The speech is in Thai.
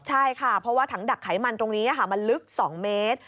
ใช่ค่ะเพราะว่าถังดักไขมันตรงนี้มันลึก๒เมตร